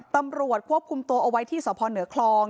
ตำรวจควบคุมตัวเอาไว้ที่สพเหนือคลอง